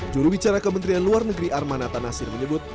jurubicara kementerian luar negeri arman atanasir menyebut